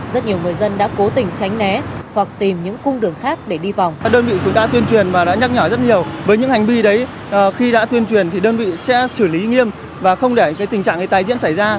rất nhiều người dân đã cố tình tránh né hoặc tìm những cung đường khác để đi vòng